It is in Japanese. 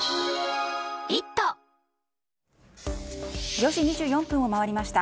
４時２４分を回りました。